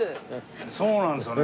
そうなんですよね。